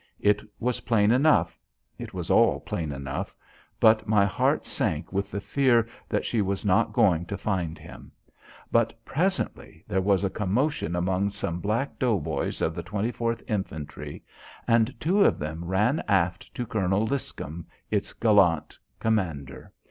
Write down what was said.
It was plain enough it was all plain enough but my heart sank with the fear that she was not going to find him. But presently there was a commotion among some black dough boys of the 24th Infantry, and two of them ran aft to Colonel Liscum, its gallant commander.